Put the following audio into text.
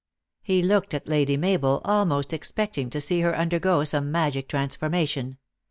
lie looked at Lady Mabel, almost expecting to see her undergo some magic transformation.